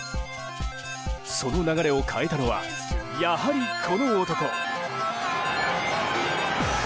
その流れを変えたのはやはり、この男。